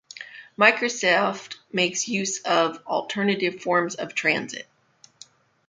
Microsoft makes use of alternative forms of transit.